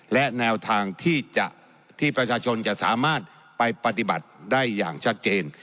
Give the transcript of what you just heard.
และแนวทางที่ประชาชนจะสามารถไปปฏิบัติได้อย่างชัดเจน